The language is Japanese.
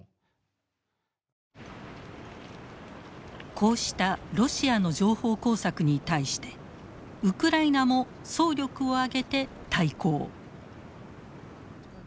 こうしたロシアの情報工作に対してウクライナも総力を挙げて対抗。